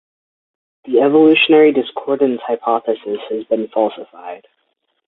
The evolutionary discordance hypothesis has been falsified.